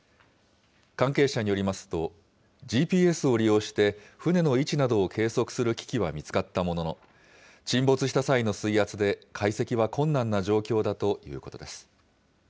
関係者によりますと、ＧＰＳを利用して船の位置などを計測する機器は見つかったものの、沈没した際の水圧で、解析は困難な状況だということです。